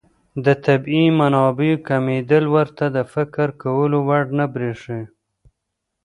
د طبیعي منابعو کمېدل ورته د فکر کولو وړ نه بريښي.